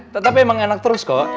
tetapi emang enak terus kok